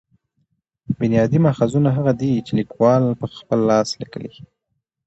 بنیادي ماخذونه هغه دي، چي لیکوال په خپل لاس لیکلي يي.